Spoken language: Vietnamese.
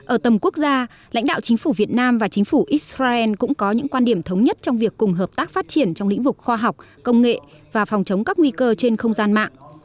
ở tầm quốc gia lãnh đạo chính phủ việt nam và chính phủ israel cũng có những quan điểm thống nhất trong việc cùng hợp tác phát triển trong lĩnh vực khoa học công nghệ và phòng chống các nguy cơ trên không gian mạng